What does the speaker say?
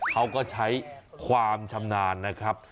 เขาก็ใช้ความชำนาญนะครับ